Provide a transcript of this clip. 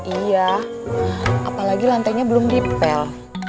iya apalagi lantainya belum dipel